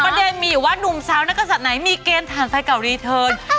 ประเด็นมีอยู่ว่านุ่มสาวนักศัตริย์ไหนมีเกณฑ์ฐานไฟเก่ารีเทิร์น